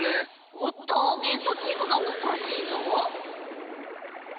おっとゲストチームがおかしいぞ。